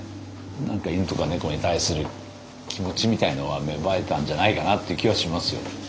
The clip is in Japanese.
何か犬とか猫に対する気持ちみたいのは芽生えたんじゃないかなっていう気はしますよ。